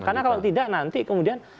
karena kalau tidak nanti kemudian